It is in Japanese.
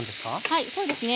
はいそうですね。